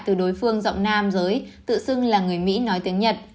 từ đối phương rộng nam giới tự xưng là người mỹ nói tiếng nhật